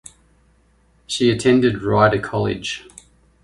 She attended Rider College.